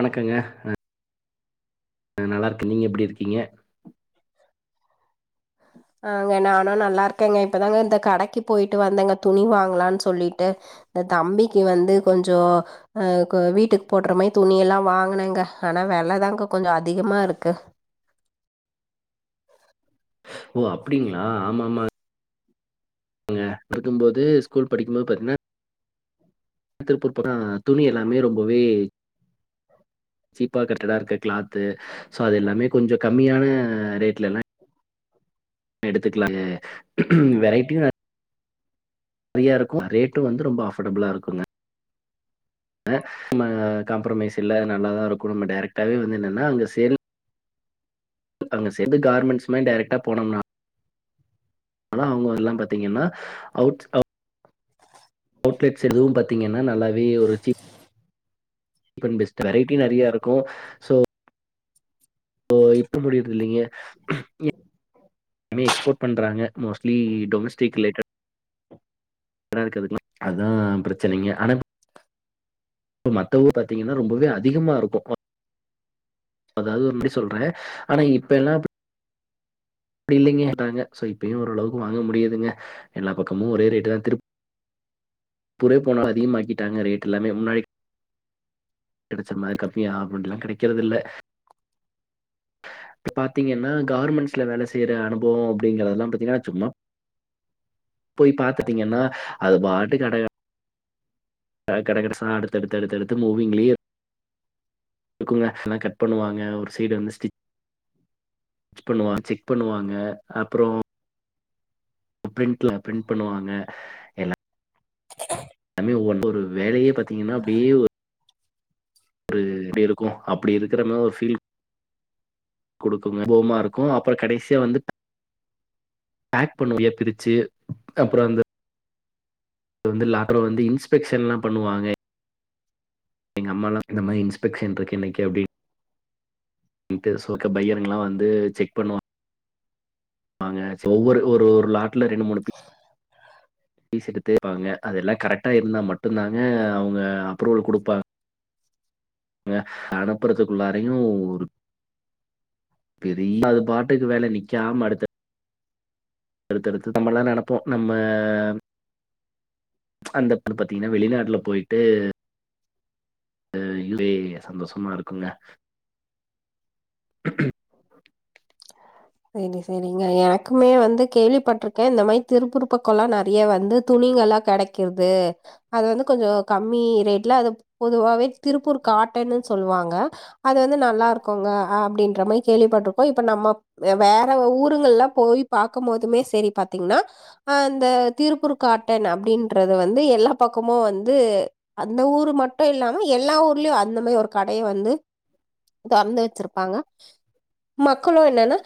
வணக்கங்க ஆ நல்லாருக்கே நீங்க எப்டி இருக்கீங்க ஆ ங்க நானு நல்லாருக்கேங்க இப்பதாங்க இந்த கடைக்கு போயிட்டு வந்தங்க துணி வாங்கலான் சொல்லிட்டு இந்த தம்பிக்கு வந்து கொஞ்சோ ஆ கோ வீட்டுக்கு போட்ற மாயி துணியெல்லா வாங்குனங்க ஆனா வெல தாங்க கொஞ்சோ அதிகமாருக்கு ஓ அப்டிங்ளா ஆமா ஆமாங்க [unintelligible] கும்போது ஸ்கூல் படிக்கும்போது பாத்தீங்கன்னா திருப்பூர் போனா துணி எல்லாமே ரொம்பவே சீப்பா கட்டடா இருக்கு கிளாத்து சோ அது எல்லாமே கொஞ்ச கம்மியான ரேட்ல எல்லாம் எடுத்துக்கலாங்க வெரைட்டியு நறையா இருக்கும் ரேட்டும் வந்து ரொம்ப அஃபோர்டபிளா இருக்குங்க அ நம்ம காம்ப்ரமைஸ் இல்ல நல்லாதா இருக்கும் நம்ம டேரெக்டாவே வந்து என்னன்னா அங்க சேல் அங்க சேந்து கார்மெண்ட்ஸ் மாரி டேரெக்டா போனோம்னா ஆனா அவங்க அதெல்லா பாத்தீங்கன்னா அவுட் அ நல்லாவே ஒரு அண்ட் பெஸ்ட் வெரைட்டி நெறைய இருக்கும் சோ சோ இப்ப முடியறதில்லைங்க எல்லாமே எக்ஸ்போர்ட் பண்றாங்க மோஸ்ட்லி டொமஸ்டிக் ரிலேட்டடு [unintelligible] அதா பிரச்சனைங்க ஆனா மத்த ஊர்ல பாத்தீங்கன்னா ரொம்பவே அதிகமா இருக்கும் அதாது [unintelligible] சொல்றே ஆனா இப்ப எல்லா அ ப்டி இல்லேங்கேனாங்க சோ இப்பயு ஓரளவுக்கு வாங்க முடியுதுங்க எல்லா பக்கமு ஒரே ரேட்டு தா திரு [unintelligible] அதிகமாக்கிட்டாங்க ரேட் எல்லாமே முன்னாடி கெடச்ச மாரி கம்மியா அப்டின் ல்லா கெடைக்கறதுல்ல ப்ப பாத்தீங்கன்னா கார்மெண்ஸ்ல வேல செய்யற அனுபவோ அப்படிங்கிறதெல்லா பாத்தீங்ன்னா சும்மா போய் பாத்துட்டீங்கன்னா அது பாட்டுக் [unintelligible] கட கடசா அடுத்தடுத் அடுத்தடுத் அடுத்தடுத் அடுத்தடுத்து மூவிங்லியே இருக்குங்கு எல்லா கட் பண்ணுவாங்க ஒரு சைடு வந்து ஸ்டிச் பண்ணுவா செக் பண்ணுவாங்க அப்புறோ ப்ரிண்ட்ல ப்ரிண்ட் பண்ணுவாங்க எல் லாமே ஒ ஒரு வேலயே பாத்தீங்கன்னா அப்டியே ஒரு அப்டி இருக்கு அப்டி இருக்கிற மா ஒரு ஃபீல் குடுக்குங்க [unintelligible] ருக்கு அப்பற கடைசியா வந்து பேக் பண்ணு [unintelligible] ய பிரிச்சு அப்பறோ அந்த வந்து லாட்ர வந்து இன்ஸ்பெக்ஷன் ல்லா பண்ணுவாங்க எங்க அம்மா லா இந்த மாரி இன்ஸ்பெக்ஷன் ருக்கு இன்னைக்கு அப்டின் [unintelligible] பையருங்ல்லா வந்து செக் பண்ணு வாங்க சோ ஒவ்வொரு ஒரு ஒ லாட்ல ரெண்டு மூனு [unintelligible] பீஸ் எடுத்து [unintelligible] ப்பாங்க அதெல்லா கரெக்டா இருந்தா மட்டுந்தாங்க அவுங்க அப்ரூவல் குடுப்பாங் க அனுப்புறத்துக்குள்ளாரையு ஒரு பெரிய அது பாட்டுக்கு வேல நிக்காம அடுத்த அடுத்தடுத்து நம்மல்லா நெனைப்போ நம்ம அந்த பாத்தீங்கன்னா வெளிநாட்ல போய்ட்டு [unintelligible] சந்தோஷமா இருக்குங்க செரிங்க செரி இங்க எனக்குமே வந்து கேள்விபட் ட்றுக்கே இந்த மாரி திருப்பூர் பக்கொலா நெறையா வந்து துணிங்கலா கெடைக்கிர்து அது வந்து கொஞ்சொ கம்மி ரேட்ல அது பொதுவாவே திருப்பூர் காட்டனுன் சொல்வாங்க அது வந்து நல்லா இருக்குங்க அ அப்டின்ற மா கேள்விபட்ருக்கோ இப்ப நம்ம வெ வேற ஊருங்கல்ல போய் பாக்கம்போதுமே செரி பாத்திங்னா அ ந்த திருப்பூர் காட்டன் அப்டின் றது வந்து எல்லா பக்கமு வந் து அந்த ஊரு மட்டு இல்லாம எல்லா ஊர்லயு அந்த மாய் ஒரு கடைய வந்து தொறந்து வச்சிருப்பாங்க மக்களூ என்னன்னா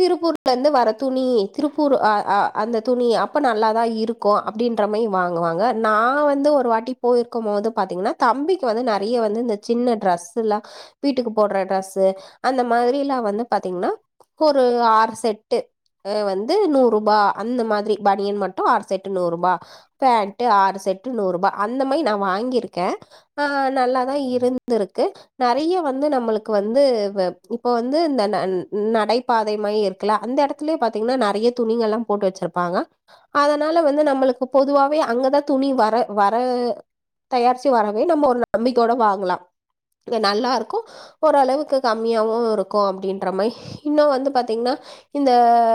திருப்பூர்ல இருந்து வர துணி திருப்பூர் அ அ அந்த துணி அப்ப நல்லாதா இருக்கு அப்டின்ற மாரி வாங்குவாங்க நா வந்து ஒரு வாட்டி போயிருக்கும் போது பாத்திங்கனா தம்பிக்கு வந்து நெறையா வந்து இந்த சின்ன டிரெஸ்ஸுலா வீட்டுக்கு போடுற ட்ரெஸ்ஸு அந்த மாதிரிய்லா வந்து பாதிதீங்னா ஒரு ஆறு செட்டு அ வந்து நூறுபா அந்த மாதிரி பனியன் மட்டு ஆறு செட் நூறுபா ஃபேண்ட்டு ஆறு செட்டு நூறுபா அந்த மாரி நா வாங்கிருக்கே ஆஹ் நல்லாதா இருந்துருக்கு நெறையா வந்து நம்மளுக்கு வந்து வ இப்பொ வந்து ந ந நடைபாதைமாயி இருக்கலா அந்த எடத்துலயு பாத்திங்கனா நெறைய துணிங்கல்லா போட்டு வச்சிருப்பாங்க அதனால வந்து நம்மளுக்கு பொதுவாவே அங்கதா துணி வர வர தயாரிச்சு வரவே நம்ம ஒரு நம்பிக்கோட வாங்கலா இங்க நல்லாருக்கு ஒரளவுக்கு கம்மியாவு இருக் கு அப்டின்ற மாய் இன்னு வந்து பாத்திங்னா இந்த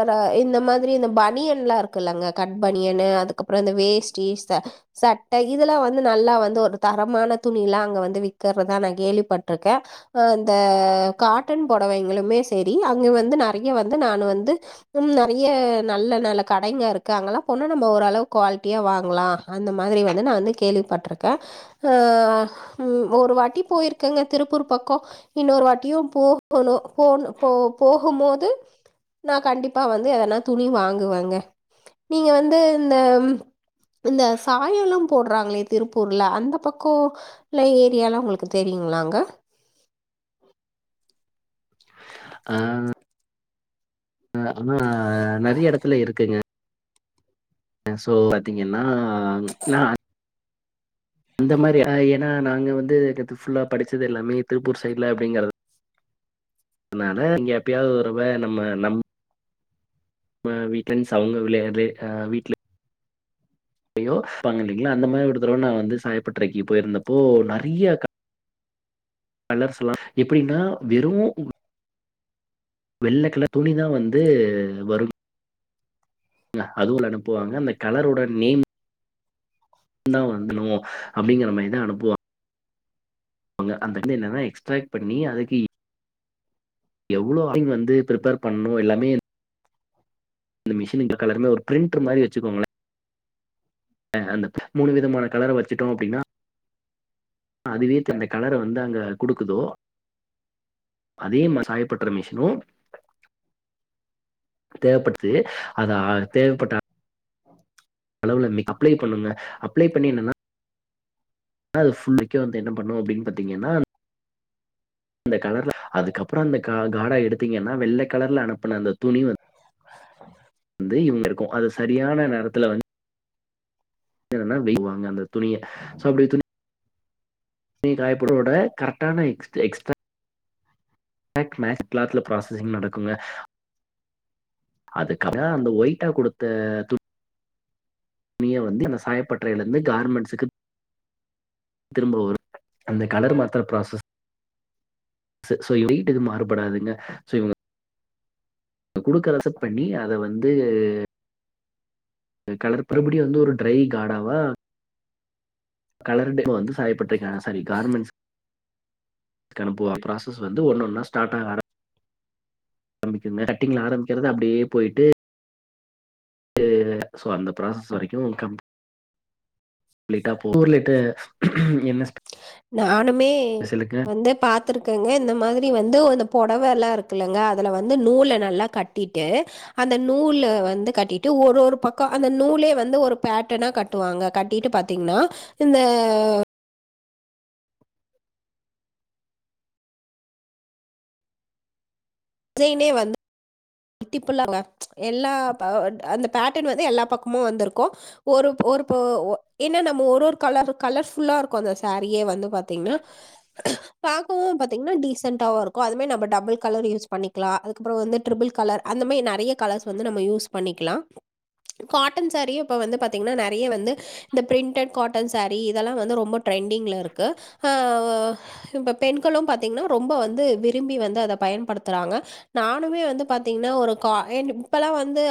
ர இந்த மாதிரி இந்த பனியன்லா இருக்குல்லங்க கட் பனியனு அதுக்கப்றொ இந்த வேஷ்டி ச சட்ட இதெலாம் வந்து நல்லா வந்து ஒரு தரமான துணியிலாம் அங்க வந்து விக்குறதா நான் கேள்விப்பட்டிருக்கேன் அந்த காட்டன் எங்களுமே சரி அங்க வந்து நிறைய வந்து நானு வந்து உ நிறைய நல்ல நல்ல கடைங்க இருக்கு அங்கல்லாம் போணா நம்ம ஓரளவு குவாலிட்டியா வாங்கலாம் அந்த மாதிரி வந்து நான் வந்து கேள்விப்பட்டிருக்கேன் அஹ் ம் ஒரு வாட்டி போயிருக்கங்க திருப்பூர் பக்கம் இன்னொரு வாட்டியும் போ போனு போ போ போகும்போது நான் கண்டிப்பா வந்து அதெல்லாம் துணி வாங்குவேங்க நீங்க வந்து இந்த இந்த சாயலும் போடுறாங்களே திருப்பூர்ல அந்த பக்கோ ல ஏரியாலாம் உங்களுக்கு தெரியுங்களாங்க ஆஹ் ஹ ஆனா நிறைய இடத்துல இருக்குங்க சோ பாத்தீங்கன்னா ந அந்த மாதிரி அ ஏன்னா நாங்க வந்து என ஃபுல்லா படிச்சது எல்லாமே திருப்பூர் சைட்ல அப்படிங்கறத அதனானா இங்க எப்பயாவது ஒரு ரவ நம்ம நம் வீட்ல இருந்து சவுங்க விளையாற் வீட்டுல [inaudible] இல்லைங்களா அந்த மாதிரி ஒரு தடவை நான் வந்து சாயப்பட்ரைக்கு போயிருந்தப்போ நிறைய கலர்ஸ் எல்லாம் எப்டின்னா வெறும் வெள்ளை கலர் துணிதான் வந்து வரும் அதுவும் அனுப்புவாங்க அந்த கலரோட நேம் தான் வந்துருவோ அப்படிங்கிற மாதிரிதான் அனுப்புவா அந்த என்ன எக்ஸ்ட்ராக்ட் பண்ணி அதுக்கு எவ்ளோ ஆள் வந்து பிரிப்பேர் பண்ணும் எல்லாமே அந்த மிஷினின் கலருமே ஒரு பிரிண்டர் மாரி வச்சுக்கோங்களேன் ஹ் அந்த மூணு விதமான கலரை வச்சுட்டோம் அப்டின்னா அதுவே த அந்த கலரை வந்து அங்க குடுக்குதோ அதே சாயப்பட்டுற மிஷினும் தேவைப்படுத்து அத தேவைப்பட்ட அளவுல அப்ளை பண்ணுங்க அப்ளை பண்ணி என்னன்னா ஆனா அது ஃபுல்லுக்கே வந்து என்ன பண்ணும் அப்படின்னு பாத்தீங்கன்னா அந்த கலர்ல அதுக்கப்புறம் அந்த க காட எடுத்தீங்கன்னா வெள்ளை கலர்ல அனுப்புன அந்த துணி வந் இவங்க இருக்கு அது சரியான நேரத்துல் வந்து வேய்வாங்க அந்த துணிய அந்த துணி துணி காயப்போட கரெக்டான எக்ஸ்ட் எக்ஸ்ட்ரா மேக்ஸ் கிளாத்ல ப்ராசஸிங் நடக்குங்க அதுக்காக அந்த ஒயிட்டா கொடுத்த து ணிய வந்து என் சாயப்பட்டறையில இருந்து கார்மெண்ட்ஸுக்கு திரும்ப வரும் அந்த கலர் மாத்த ப்ராசஸ் சோ ஹீட்டுக்கு மாறுபடாதுங்க சோ இவ கொடுக்கரத அக்செப்ட் பண்ணி அத வந்து கலர்ப்றுபடிய வந்து ஒரு ட்ரை காடாவா கலர்ட வந்து சாயப்பட்டிருக்கான சாரி கார்மெண்ட்ஸ் அது அனுப்பா ப்ராசஸ் வந்து ஒன்னு ஒன்னா ஸ்டார்ட் ஆக ஆரம்பிக்கங்க கட்டிங்ல ஆரம்பிக்கிறத அப்படியே போயிட்டு சோ அந்த ப்ராசஸ் வரைக்கும் கம்ப்ளீட்டா போகு [unintelligible] என்ன நானுமே ஸ்பெஷலுக்கு வந்து பாத்துருக்கேங்க இந்த மாதிரி வந்து அ புடவை எல்லாம் இருக்குல்லலைங்க அதுல வந்து நூலை நல்லா கட்டிட்டு அந்த நூல வந்து கட்டிட்டு ஒரு ஒரு பக்கம் அந்த நூலே வந்து ஒரு பேட்டனா கட்டுவாங்க கட்டிட்டு பாத்தீங்கன்னா இந்த டிசைனே வந்து த்திப்புள்ளாங்க எல்லா அந்த பேட்டர்ன் வந்து எல்லா பக்கமு வந்திருக்கு ஒரு ஒரு என்ன நம்ம ஒரு ஒரு கலர் கலர்புல்லா இருக்கு அந்த சாரீயே வந்து பாத்தீங்கன்னா பாக்கவு பாத்தீங்கன்னா டீசண்டாவு இருக்கு அதுமே நம்ம டபுள் கலர் யூஸ் பண்ணிக்கலா அதுக்கப்றம் வந்து ட்ரிபிள் கலர் அந்தமே நெறய கலர்ஸ் வந்து நம்ம யூஸ் பண்ணிக்லா காட்டன் சாரீ இப்ப வந்து பாத்தீங்கனா நெறய வந்து இந்த பிரிண்டட் காட்டன் சாரீ இதல்லா வந்து ரொம்ப ட்ரெண்டிங்ல இருக்கு ஹ இப்ப பெண்களு பாத்தீங்கனா ரொம்ப வந்து விரும்பி வந்து அத பயன்படுத்துறாங்க நானுமே வந்து பாத் தின்ன ஒரு கா இப்பல்லாம் வந்து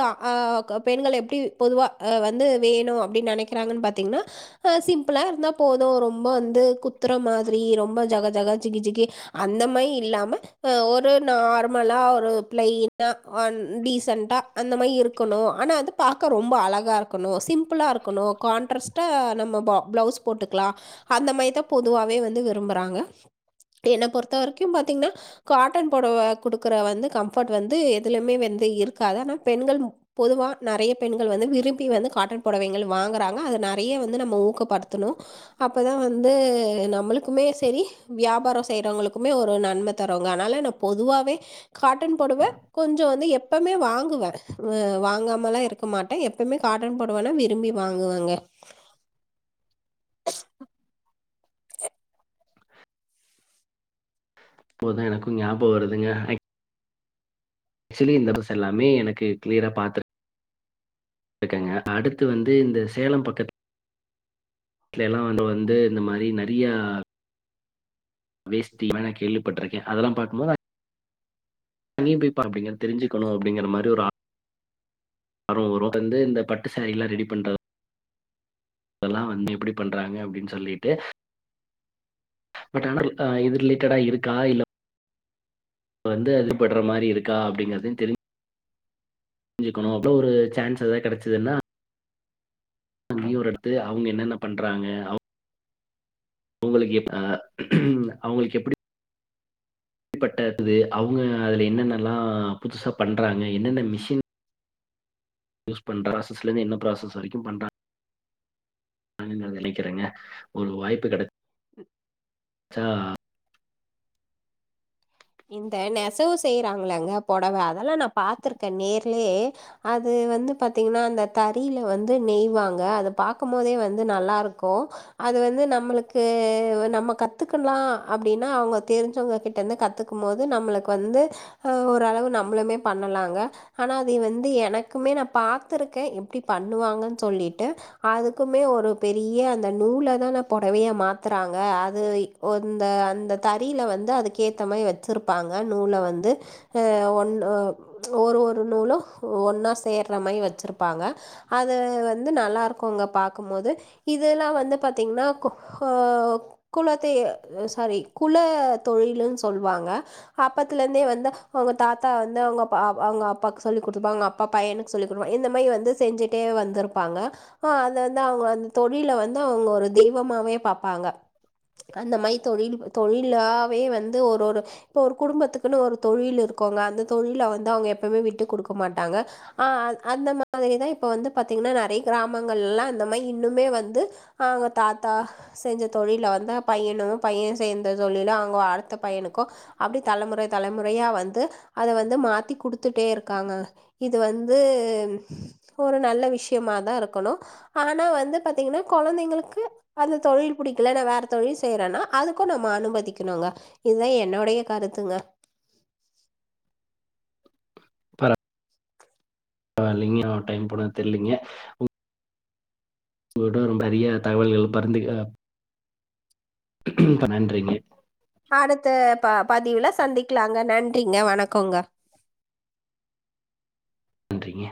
பெண்கள் எப்படி பொதுவா வந்து வேணும் அப்படினு நினைக்கிறாங்கன்னு பாத்தீங்கன்னா சிம்பிளா இருந்தா போதும் ரொம்ப வந்து குத்துற மாதிரி ரொம்ப ஜக ஜகா ஜிகி ஜிகி அந்த மாதிரி இல்லாம ஒரு நார்மலா ஒரு பிளை சொ வந் டீசென்ட்டா அந்த மாதிரி இருக்கணு ஆனா அது பாக்க ரொம்ப அழகா இருக்கணு சிம்பிளா இருக்கணு காான்ட்ரஸ்டா நம்ம பிளவுஸ் போட்டுக்கலா அந்த மாதிரிதான் பொதுவாவே வந்து விரும்புறாங்க என்னை பொறுத்த வரைக்கு பாத்தீங்கன்னா காட்டன் பொடவ குடுக்கற வந்து கம்பர்ட் வந்து எதுலுமே வந்து இருக்காது ஆனா பெண்கள் பொதுவாக நிறைய பெண்கள் வந்து விரும்பி வந்து காட்டன் புடவைகள் வாங்கறாங்க அதை நிறைய வந்து நம்ம ஊக்கப்படுத்தணும் அப்பதான் வந்து நம்மளுக்குமே சரி வியாபாரம் செய்யறவங்களுக்குமே ஒரு நன்மை தரும்ங்க அதனால ந பொதுவாவே காட்டன் பொடவை கொஞ்ச வந்து எப்பமே வாங்குவேன்ஹ வாங்காமல்லா இருக்க மாட்டேன் எப்பமே காட்டன் பொடவனா விரும்பி வாங்குவங்க ப்போதான் எனக்கும் ஞாபகம் வருதுங்க ஹை ஆக்சுவலி இந்த பஸ் எல்லாமே எனக்கு கிளியரா பாத்துரு இருக்காங்க அடுத்து வந்து இந்த சேலம் பக்கத்து ட்டல எல்லா வந்து வந்து இந்த மாதிரி நறைய வேஸ்டி வேணா கேள்விப்பட்டிருக்க அதெல்லாம் பாக்கும்போது அங்கயு போய் பாப்பீங்க தெரிஞ்சுக்கணு அப்படிங்கற மாதிரி ஒரு ஆ ஆர்வ வரு அ வந்து இந்த பட்டு சாரில்லா ரெடி பண்றது அதெல்லா வந்து எப்படி பண்றாங்க அப்படின்னு சொல்லிட்டு பட் ஆனா இது ரிலேட்டடா இருக்கா இல்ல வந்து அதுபடுற மாரி இருக்கா அப்படிங்கறத தெரிஞ் ஞ்சுக்கணு அப்ப ஒரு சான்ஸ் ஏதாது கடைச்சிதுன்னா ங்கியுர் எடுத்து அவங்க என்னென்ன பண்றாங்க அவ அவங்களுக்கு எ அஹ அவங்களுக்கு எப்படி டிப்பட்டது அவங்க அதுல என்னென்னல்லா புதுசா பண்றாங்க என்னென்ன மிஷின் யூஸ் பண் ராசஸ்லே இருந்து என்ன ப்ராசஸ் வரைக்கு பண்றா நினைக்கிறேங்க ஒரு வாய்ப்பு கட உ ச்சா இந்த நெசவு செய்யறாங்களங்க புடவை அதெல்லா நா பா்த்திருக்க நேர்லே அது வந்து பாத்தீங்கன்னா அந்த தறில வந்து நெய்வாங்க அது பாாரக்கும் போதே வந்து நல்லா இருக்கு அது வந்து நம்மளுக்கு நம்ம கத்துக்கலா அப்படின்னா அவங்க தெரிஞ்சவங்க கிட்ட இருந்து கத்து க்கும் போது நம்மளுக்கு வந்து ஓரளவு நம்மளுமே பண்ணலா ங்க ஆனா அது வந்து எனக் க்குமே நான் பார்த்தருக்க எப்படி பண்ணுவாங்கு சொல்லிட்டு அதுக்குமே ஒரு பெரிய அந்த நூல தான புடவையா மாத்துறாங்க அது இந்த அந்த தறில வந்து அதுக்கு கேத்தமை வ ச்சுருப்பாங்க நூல வந்து ஆஹ் ஒன்னு ஒரு ஒரு நூலு ஒன்ன சேர்ற மாரி வச்சுருப்பாங்க அது வந்த நல்லாிருக்குங்க பார்க்கும்போது இதெல்லா வந்து பார்த்தீங்கன்னா கு ஆஹ் குலத்தெ குல தொழிலுன்னு சொல்லுவாங்க அப்பத்துலந்தே வந்து அவங்க தாத்தா வந்து ப அ அவங்க அவங்க அப்பாவுக்கு சொல்லி் கொடுப்பாங்க அவங்க அப்பா பையனுக்கு சொல்லி் கொடுப்பாங்க இந்த மாதிரி வந்து செஞ்சுட்டே வந்திருப்பாங்க ஆஹ் அதது வந்து அவங்க அந்த தொழில வந்து அவங்க ஒரு தெய்வமாவே பாார்ப்பாங்க அந்த மாரி தொழில் தொழிலாவே வந்து ஒரு ஒரு இப்போ ஒரு குடும்பத்துக்குன்னு ஒரு தொழில் இருக்குங்க அந்த தொழில வந்து அவங்க எப்பவுமே விட்டு கொடுக்க மாட்டாங்க ஆ அ அந்த மாரிதா இப்போ வந்து பார்த்தீங்கன்னா நறைய கிராமங்கள்லா அந்த மாரி இன்னுமே வந்துங்க தாத்தா செஞ்ச தொழில வந்து பையனு பைய சே சொல்லில அடுத்த பையனுக்கு தலைமுறை தலைமுறையா அவ வந்து அத வந்து மாத்தி குடுத்துட்டேருக்காங்க இது வந்து ஒரு நல்ல விஷ்யமாதாருக்கணு ஆனா வந்து பாத்தீங்கனா கொழந்தைங்ளுக்கு அந்தத்தொழில் பிடிக்ல நா வேற தொழில் செய்றனா அதுக்கு நம்ம அனுமதிக்னுங்க இதா என்னுட கருத்துங்க பர வால்லிங்க டைம் போனத் தெரிலிங்க உ உங்ககிட்ட ரொம்ப அரிய தகவல்கள் பறந்து அஹ் [unintelligible] நன்றிங்க அடுத்த ப பதிவுல சந்திக்லாங்க நன்றிங்க வணக்கோங்க நன்றிங்க